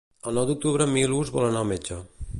El nou d'octubre en Milos vol anar al metge.